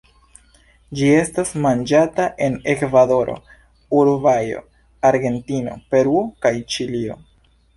Ĝi estas manĝata en Ekvadoro, Urugvajo, Argentino, Peruo kaj Ĉilio.